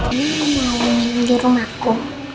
iya aku mau leave rumahku